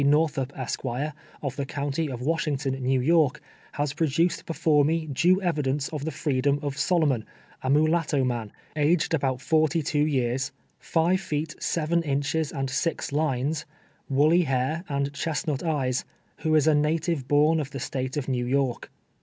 Northiip, Esquire, of the county of Washington, New York, has produced before me due evidence of the fi'eedom of Solomon, a inuhitto man, aged about forty two years, five feet, seven inches and six lines, woolly hair, and chestnut eyes, who is a native born of the State of New York.